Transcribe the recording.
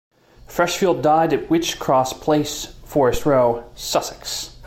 Freshfield died at Wych Cross Place, Forest Row, Sussex.